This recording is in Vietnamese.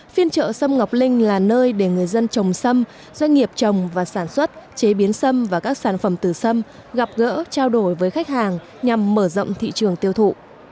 phiên chợ sâm ngọc linh là nơi để người dân trồng sâm doanh nghiệp trồng và sản xuất chế biến sâm và các sản phẩm từ sâm gặp gỡ trao đổi với khách hàng nhằm mở rộng thị trường tiêu thụ